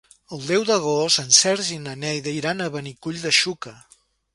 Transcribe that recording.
El deu d'agost en Sergi i na Neida iran a Benicull de Xúquer.